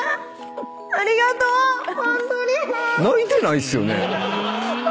泣いてないですよね？